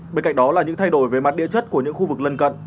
bên cạnh đó là những thay đổi về mặt địa chất của những khu vực lân cận